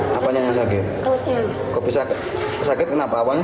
itu dari mana makanannya